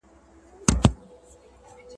مشورې د کورني ژوند لپاره څومره مهمې دي؟